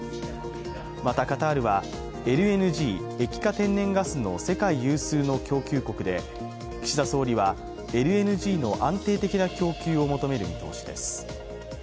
またカタールはＬＮＧ＝液化天然ガスの世界有数の供給国で岸田総理は、ＬＮＧの安定的な供給を求める見通しです。